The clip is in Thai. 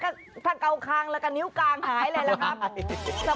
โอ้แล้วถ้าเก่าคางแล้วก็นิ้วกางหายเลยล่ะครับ